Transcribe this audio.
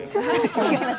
違います。